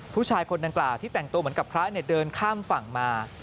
ผู้ชายคนดังกล่าวที่แต่งตัวเหมือนกับพระเดินข้ามฝั่งมา